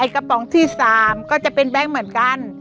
กระป๋องที่๓ก็จะเป็นแบงค์เหมือนกัน